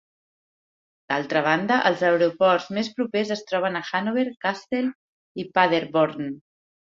D'altra banda, els aeroports més propers es troben a Hannover, Kassel i Paderborn.